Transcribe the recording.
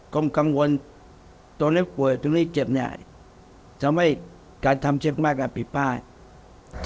ก็มีกังวลตัวนี้ป่วยตัวนี้เจ็บทำให้การทำเช็คมากก็ผิดภาค